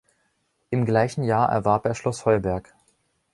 Im gleichen Jahr erwarb er Schloss Heuberg.